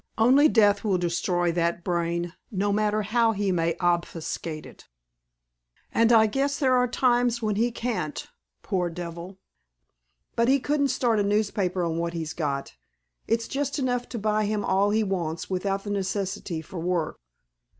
Only death will destroy that brain no matter how he may obfuscate it. And I guess there are times when he can't, poor devil. But he couldn't start a newspaper on what he's got. It's just enough to buy him all he wants without the necessity for work."